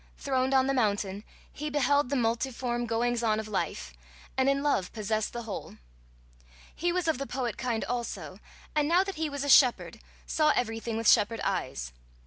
Throned on the mountain, he beheld the multiform "goings on of life," and in love possessed the whole. He was of the poet kind also, and now that he was a shepherd, saw everything with shepherd eyes.